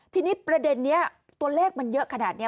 ทีนี้ประเด็นนี้ตัวเลขมันเยอะขนาดนี้